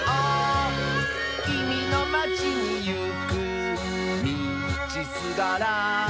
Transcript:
「きみのまちにいくみちすがら」